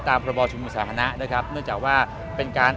พระบอชุมสาธารณะนะครับเนื่องจากว่าเป็นการ